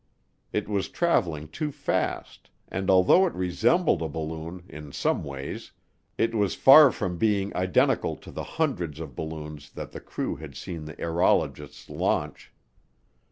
It was traveling too fast, and although it resembled a balloon in some ways it was far from being identical to the hundreds of balloons that the crew had seen the aerologists launch.